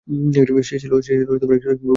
সে ছিল একজন বিপর্যয় সৃষ্টিকারী।